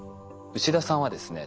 牛田さんはですね